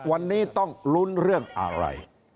วันนี้ต้องลุ้นเรื่องอะไร